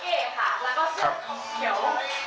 เขาใส่เป็นใส่เป็นกางเกงสีเฮียวคะ